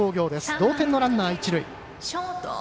同点のランナー、一塁。